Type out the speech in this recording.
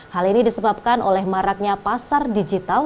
hal ini disebabkan oleh maraknya pasar digital